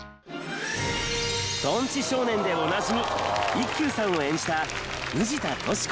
とんち少年でおなじみ一休さんを演じた藤田淑子。